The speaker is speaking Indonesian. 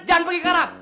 jangan pergi ke arab